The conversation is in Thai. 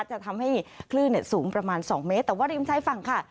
จะทำให้คลื่นสูงประมาณ๒เมตรแต่ว่าริมชายฝั่งค่ะ